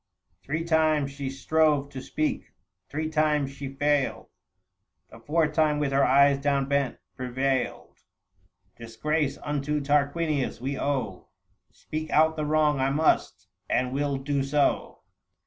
[875 Three times she strove to speak, three times she failed ; The fourth time, with her eyes downbent, prevailed :" Disgrace unto Tarquinius, we owe ! Speak out the wrong I must, and will do so.